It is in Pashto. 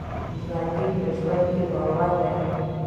ژوندي په ژوند باور لري